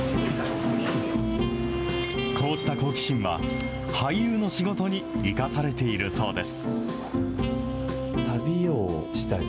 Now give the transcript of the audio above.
こうした好奇心は、俳優の仕事に生かされているそうです。